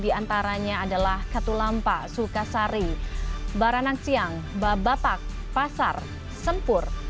di antaranya adalah katulampa sukasari baranang siang babapak pasar sempur